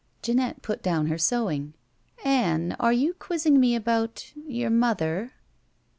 Jeanette put down her sewing. "Ann, are you quizzing me about — your mother?"